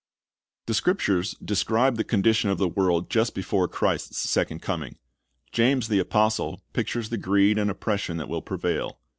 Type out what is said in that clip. The Scriptures describe the condition of the world just before Christ's second coming. James the apostle pictures the greed and oppression that will prevail.